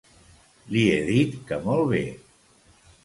Li he dit que molt bé.